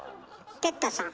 哲太さん。